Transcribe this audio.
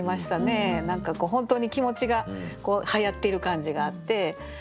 何か本当に気持ちがはやっている感じがあって。